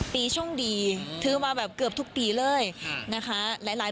ปีโชคดีถือมาแบบเกือบทุกปีเลยนะคะ